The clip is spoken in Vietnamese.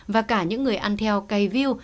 và cả những người ăn theo cây view